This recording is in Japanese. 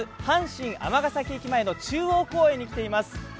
阪神・尼崎駅前の中央公園に来ています。